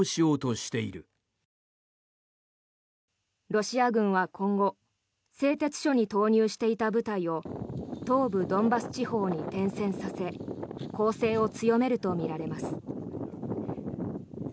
ロシア軍は今後製鉄所に投入していた部隊を東部ドンバス地方に転戦させ攻勢を強めるとみられます。